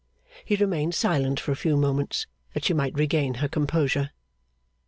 He remained silent for a few moments, that she might regain her composure.